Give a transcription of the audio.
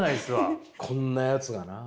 こんなやつがな。